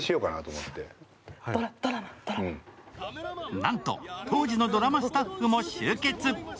なんと、当時のドラマスタッフも集結。